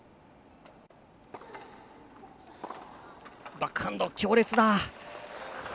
バックハンド、強烈だ。